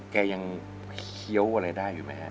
แกยังเคี้ยวอะไรได้อยู่ไหมฮะ